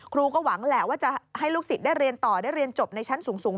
ก็หวังแหละว่าจะให้ลูกศิษย์ได้เรียนต่อได้เรียนจบในชั้นสูง